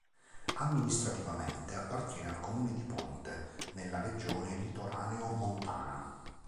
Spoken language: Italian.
Amministrativamente appartiene al comune di Ponte, nella regione litoraneo-montana.